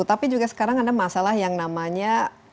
tapi juga sekarang ada masalah yang namanya